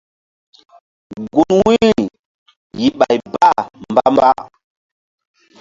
Gun wu̧yri yih bay bah mba mba.